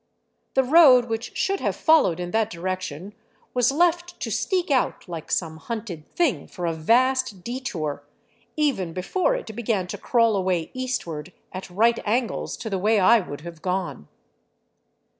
The road which should have followed in that direction was left to sneak out like some hunted thing for a vast detour, even before it began to crawl away eastward at right angles to the way I would have gone.